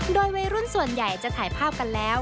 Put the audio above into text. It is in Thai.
โดยวัยรุ่นส่วนใหญ่จะถ่ายภาพกันแล้ว